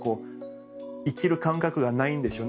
生きる感覚がないんでしょうね